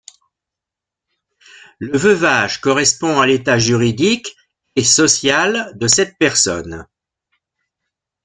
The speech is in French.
Le veuvage correspond à l'état juridique et social de cette personne.